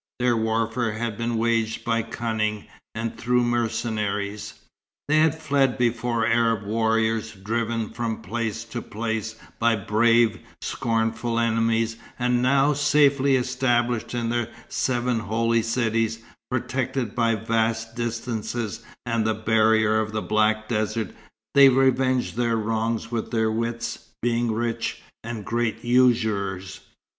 Their warfare had been waged by cunning, and through mercenaries. They had fled before Arab warriors, driven from place to place by brave, scornful enemies, and now, safely established in their seven holy cities, protected by vast distances and the barrier of the black desert, they revenged their wrongs with their wits, being rich, and great usurers.